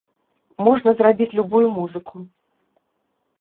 Можна зрабіць любую музыку.